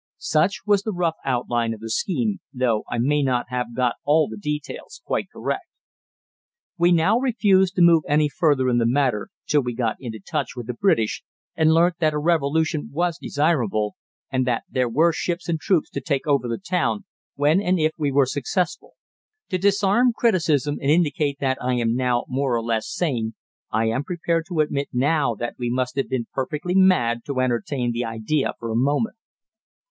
Such was the rough outline of the scheme, though I may not have got all the details quite correct. We now refused to move any further in the matter till we got into touch with the British and learnt that a revolution was desirable, and that there were ships and troops to take over the town when and if we were successful. To disarm criticism and indicate that I am now more or less sane, I am prepared to admit now that we must have been perfectly mad to entertain the idea for a moment.